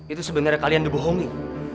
itu sebenarnya kalian dibohongi